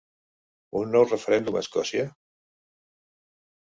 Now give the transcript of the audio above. Un nou referèndum a Escòcia?